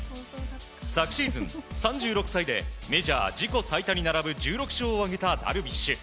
昨シーズン３６歳でメジャー自己最多に並ぶ１６勝を挙げたダルビッシュ。